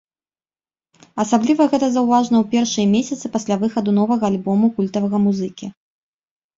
Асабліва гэта заўважна ў першыя месяцы пасля выхаду новага альбому культавага музыкі.